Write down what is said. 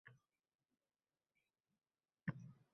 “Lazgi” – dunyo ahlini Oʻzbekistonga chorlaydi